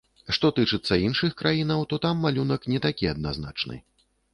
Што тычыцца іншых краінаў, то там малюнак не такі адназначны.